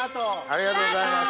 ・ありがとうございます。